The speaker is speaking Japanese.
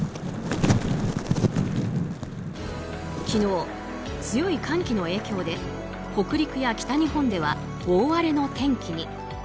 昨日、強い寒気の影響で北陸や北日本では大荒れの天気に。